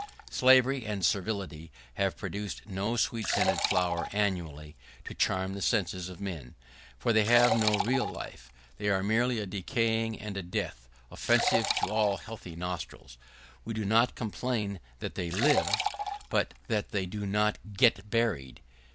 [¶50] Slavery and servility have produced no sweet scented flower annually, to charm the senses of men, for they have no real life: they are merely a decaying and a death, offensive to all healthy nostrils. We do not complain that they live, but that they do not get buried.